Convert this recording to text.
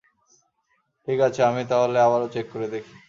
ঠিক আছে, আমি তাহলে আবারও চেক করে দেখি!